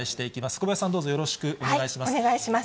小林さん、どうぞよろしくお願いお願いします。